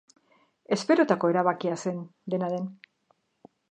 Esperotako erabakia zen, dena dela.